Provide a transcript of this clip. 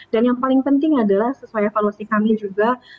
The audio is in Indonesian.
yang paling penting adalah sesuai evaluasi kami juga